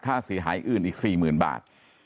ค่าเสียหายอื่นอีก๔๐๐๐บาท